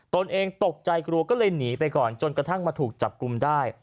เองตกใจกลัวก็เลยหนีไปก่อนจนกระทั่งมาถูกจับกลุ่มได้